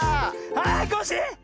はいコッシー！